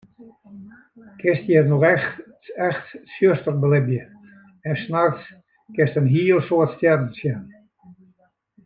Kinst hjir noch echt tsjuster belibje en nachts kinst in heel soad stjerren sjen.